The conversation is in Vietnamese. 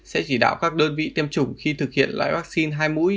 sẽ chỉ đạo các đơn vị tiêm chủng khi thực hiện lại vaccine hai mũi